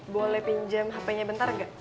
boleh pinjam hpnya bentar nggak